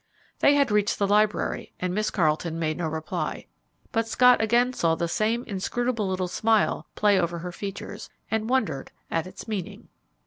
They had reached the library and Miss Carleton made no reply, but Scott again saw the same inscrutable little smile play over her features, and wondered at its meaning.